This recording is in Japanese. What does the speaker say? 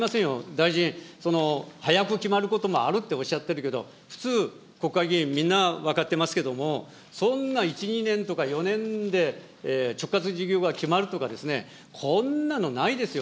大臣、その早く決まることもあるっておっしゃってるけど、普通、国会議員みんな分かってますけども、そんな１、２年とか４年で直轄事業が決まるとかですね、こんなのないですよ。